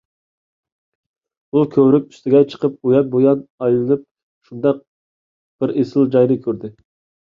ئۇ كۆۋرۈك ئۈستىگە چىقىپ ئۇيان - بۇيان ئايلىنىپ، شۇنداق بىر ئېسىل جاينى كۆردى.